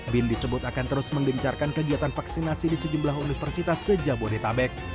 bin disebut akan terus menggencarkan kegiatan vaksinasi di sejumlah universitas sejak bodetabek